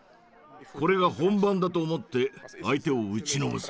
これが本番だと思って相手を打ちのめせ。